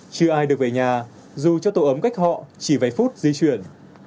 chưa ai được về nhà dù cho tổ ấm cách họ chỉ vài phút di chuyển